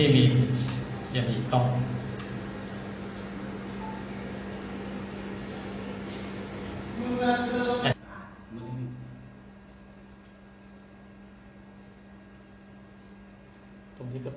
ไม่มีอย่างนี้กล้อง